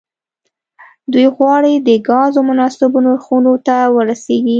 دوی غواړي د ګازو مناسبو نرخونو ته ورسیږي